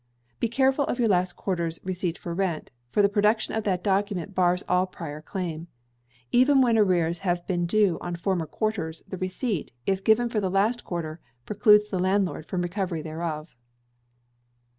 Be careful of your last quarter's receipt for rent, for the production of that document bars all prior claim. Even when arrears have been due on former quarters, the receipt, if given for the last quarter, precludes the landlord from recovery thereof.